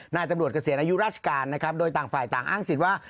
นายตำรวจเกษียณอายุราชการนะครับโดยต่างฝ่ายต่างอ้างสิทธิ์ว่า